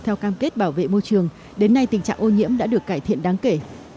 theo cam kết bảo vệ môi trường đến nay tình trạng ô nhiễm đã được cải thiện đáng kể